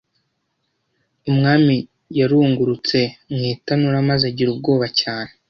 Umwami yarungurutse mu itanura maze agira ubwoba cyane